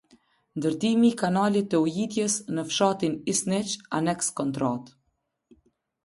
Ndertimi i kanalit të ujitjes në fshatin isniq anex kontrate